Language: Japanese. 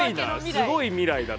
すごい未来だな。